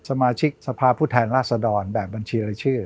สมาชิกสภาพผู้แทนราชดรแบบบัญชีรายชื่อ